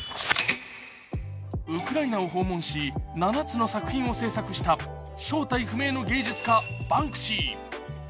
ウクライナを訪問し、７つの作品を制作した正体不明の芸術家、バンクシー。